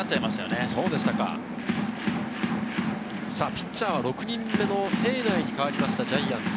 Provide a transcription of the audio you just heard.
ピッチャーは６人目の平内に代わりました、ジャイアンツ。